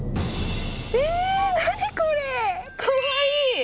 え何これかわいい！